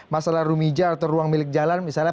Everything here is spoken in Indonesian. masalah rumija atau ruang milik jalan misalnya